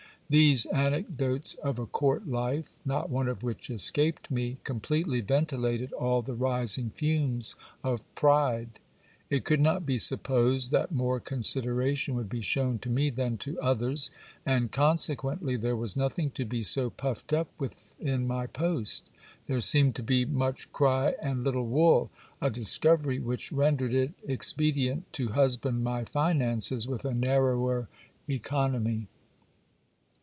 These anec dotes of a court life, not one of which escaped me, completely ventilated all the rising fumes of pride. It could not be supposed that more consideration would be shewn to me than to others, and consequently there was nothing to be so puffed up with in my post ; there seemed to be much cry and little wool, a dis covery which rendered it expedient to husband my finances with a narrower economy.